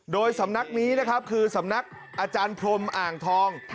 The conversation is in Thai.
โดยสำนักนี้นะครับคือสำนักอาจารย์พรมอ่างทอง